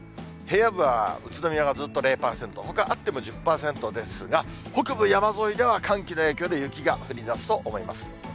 平野部は宇都宮がずっと０％、ほかあっても１０％ですが、北部山沿いでは寒気の影響で雪が降りだすと思います。